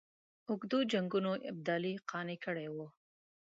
اوږدو جنګونو ابدالي قانع کړی وي.